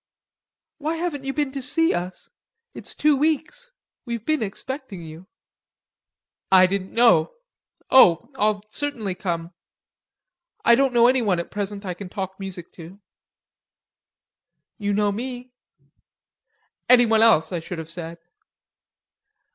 "Why haven't you been to see us? It's two weeks.... We've been expecting you." "I didn't know...Oh, I'll certainly come. I don't know anyone at present I can talk music to." "You know me." "Anyone else, I should have said."